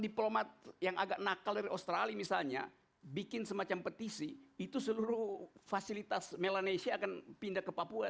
diplomat yang agak nakal dari australia misalnya bikin semacam petisi itu seluruh fasilitas melanesia